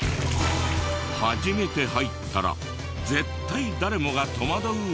初めて入ったら絶対誰もが戸惑うお店が。